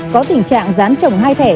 có tình trạng dán trồng hai thẻ